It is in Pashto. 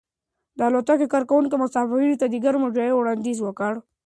د الوتکې کارکونکو مسافرانو ته د ګرمو چایو وړاندیز وکړ.